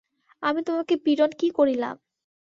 আমি তোমাকে পীড়ন কী করিলাম।